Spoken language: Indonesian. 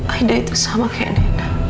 aida itu sama kayak deda